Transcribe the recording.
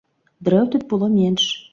Дрэў тут было менш.